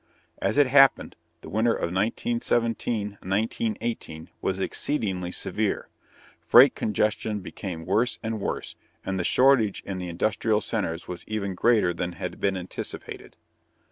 As it happened, the winter of 1917 1918 was exceedingly severe, freight congestion became worse and worse, and the shortage in the industrial centers was even greater than had been anticipated.